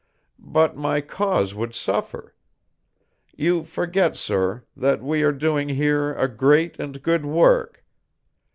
But my cause would suffer. You forget, sir, that we are doing here a great and good work.